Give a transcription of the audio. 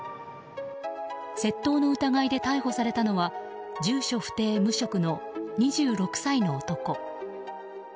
窃盗の疑いで逮捕されたのは住所不定・無職の２６歳の男。